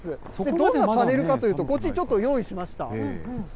どんなパネルかといいますと、こっちちょっと用意しました。